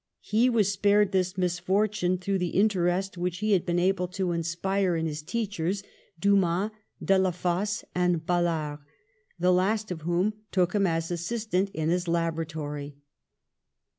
He was spared this misfortune through the interest which he had been able to inspire A LABORIOUS YOUTH 23 in his teachers, Dumas, Delafosse and Balard, the last of whom took him as assistant in his laboratory.